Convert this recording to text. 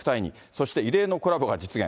そして異例のコラボが実現。